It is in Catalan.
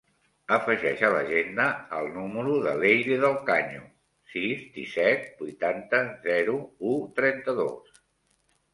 Afegeix a l'agenda el número de l'Eire Del Caño: sis, disset, vuitanta, zero, u, trenta-dos.